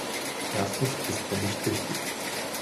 Erstens ist er nicht richtig.